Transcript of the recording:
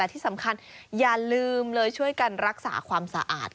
ที่สำคัญอย่าลืมเลยช่วยกันรักษาความสะอาด